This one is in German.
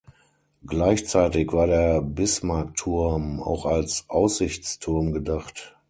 Gleichzeitig war der Bismarckturm auch als Aussichtsturm gedacht.